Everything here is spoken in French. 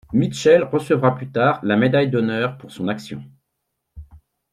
Mitchell recevra plus tard la médaille d'honneur pour son action.